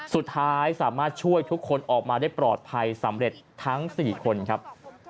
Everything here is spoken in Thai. สุดท้ายสามารถช่วยทุกคนออกมาได้ปลอดภัยสำเร็จทั้ง๔คนครับ